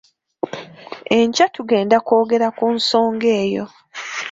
Enkya tugenda kwogera ku nsonga eyo.